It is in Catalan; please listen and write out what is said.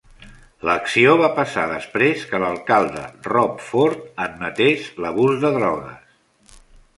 L'acció va passar després que l'alcalde Rob Ford admetés l'abús de drogues.